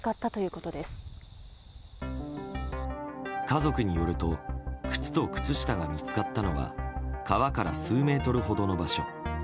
家族によると靴と靴下が見つかったのは川から数メートルほどの場所。